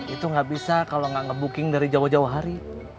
itu nggak bisa kalau nggak nge booking dari jauh jauh hari